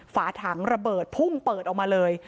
ฝาถังระเบิดพุ่งเปิดออกมาเลย